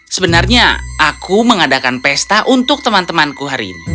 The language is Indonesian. sebenarnya aku mengadakan pesta untuk teman temanku hari ini